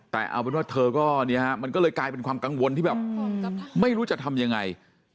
แต่เอาเป็นว่าเธอก็เนี่ยฮะมันก็เลยกลายเป็นความกังวลที่แบบไม่รู้จะทำยังไง